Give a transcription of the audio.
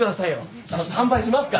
あの乾杯しますから。